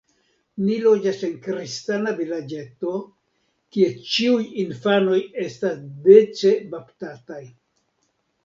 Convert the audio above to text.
Ni loĝas en kristana vilaĝeto, kie ĉiuj infanoj estas dece baptataj.